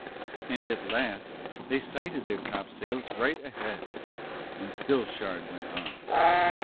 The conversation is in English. And at last they sighted their topsails right ahead, and still Shard went on.